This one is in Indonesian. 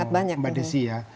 satu hal mbak desy ya